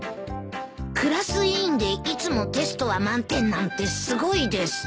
「クラス委員でいつもテストは満点なんてすごいです」